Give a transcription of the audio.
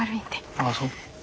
ああそう。